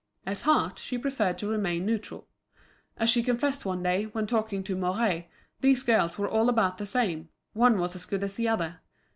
At heart she preferred to remain neutral. As she confessed one day, when talking to Mouret, these girls were all about the same, one was as good as the other.